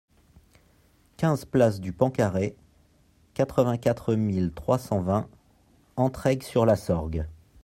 quinze place du Pan Carré, quatre-vingt-quatre mille trois cent vingt Entraigues-sur-la-Sorgue